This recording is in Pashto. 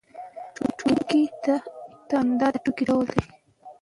ټوکې ته خندا د ټوکې ډول دی.